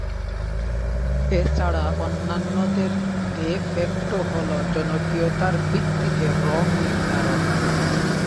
এছাড়া অন্যান্যদের de facto হলো জনপ্রিয়তার ভিত্তিতে রঙ নির্ধারণ।